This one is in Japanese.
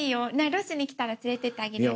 ロスに来たら連れてってあげる。